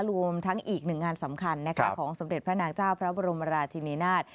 รวมทั้งอีกหนึ่งงานสำคัญของสมเด็จพระนางเจ้าพระบรมราชินินาศ